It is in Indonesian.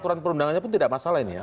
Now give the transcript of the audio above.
dan perundangannya pun tidak masalah ini ya